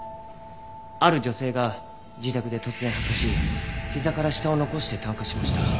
ある女性が自宅で突然発火しひざから下を残して炭化しました。